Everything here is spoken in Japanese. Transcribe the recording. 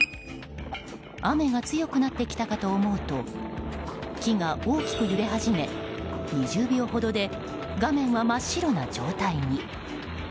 雨が強くなってきたかと思うと木が大きく揺れ始め２０秒ほどで画面は真っ白な状態に。